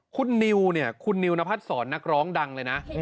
คุณนิวเนี่ยคุณนิวนพัดสอนนักร้องดังเลยนะ